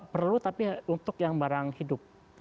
perlu tapi untuk yang barang hidup